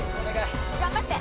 頑張って。